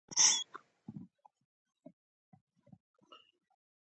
زه او ته ملګري یو، پردي انسانان مو په منځ کې نشته.